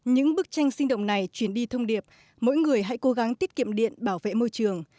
những bức tranh sinh động này chuyển đi thông điệp mỗi người hãy cố gắng tiết kiệm điện bảo vệ môi trường